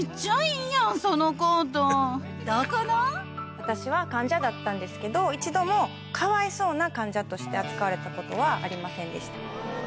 私は患者だったんですけど一度もかわいそうな患者として扱われたことはありませんでした。